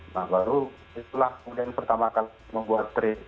nah baru itulah kemudian pertama kali membuat tren